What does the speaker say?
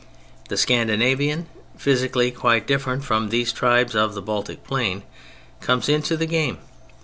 The Scandinavian, physically quite different from these tribes of the Baltic Plain, comes into the game.